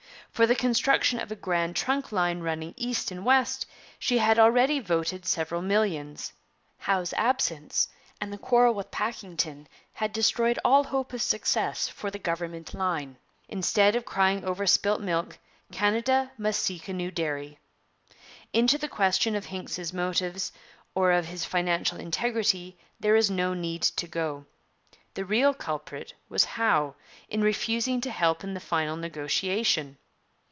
For the construction of a 'grand trunk line' running east and west she had already voted several millions. Howe's absence and the quarrel with Pakington had destroyed all hope of success for the government line; instead of crying over spilt milk, Canada must seek a new dairy. Into the question of Hincks's motives or of his financial integrity there is no need to go. The real culprit was Howe, in refusing to help in the final negotiation.